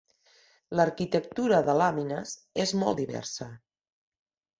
L'arquitectura de làmines és molt diversa.